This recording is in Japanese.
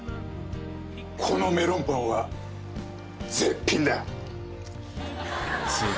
このメロンパンは絶品だ！